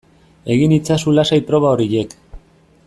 Egin itzazu lasai proba horiek